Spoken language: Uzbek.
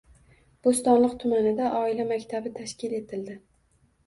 Bo‘stonliq tumanida “Oila maktabi” tashkil etildi